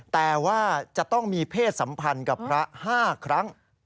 แต่ว่าจะต้องมีเพศสัมพันธ์กับพระ๕ครั้ง